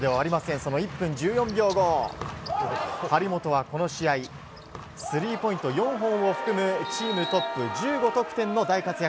この１分１４秒後張本はこの試合スリーポイント４本を含むチームトップ１５得点の大活躍。